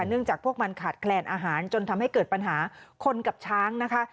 จากพวกมันขาดแคลนอาหารจนทำให้เกิดปัญหาคนกับช้างนะคะ